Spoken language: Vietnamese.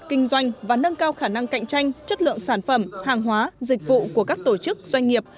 kinh doanh và nâng cao khả năng cạnh tranh chất lượng sản phẩm hàng hóa dịch vụ của các tổ chức doanh nghiệp